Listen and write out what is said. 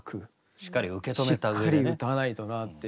しっかり歌わないとなっていう。